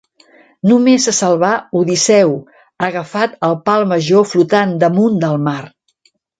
Només se salvà Odisseu agafat al pal major flotant damunt del mar.